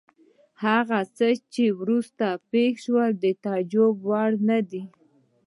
هغه څه چې وروسته پېښ شول د تعجب وړ نه دي.